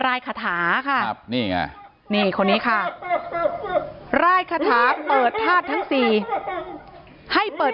คาถาค่ะนี่ไงนี่คนนี้ค่ะรายคาถาเปิดธาตุทั้งสี่ให้เปิด